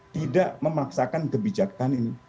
tidak memaksakan kebijakan ini